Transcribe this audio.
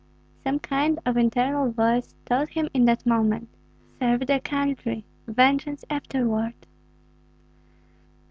Some kind of internal voice told him in that moment, "Serve the country, vengeance afterward."